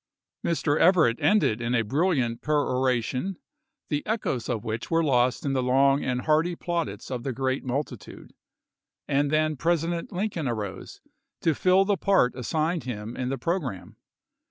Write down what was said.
Mr. Everett ended in a brilliant peroration, the echoes of which were lost in the long and hearty plaudits of the great multitude, and then President Lincoln arose to fill the part assigned him in the programme.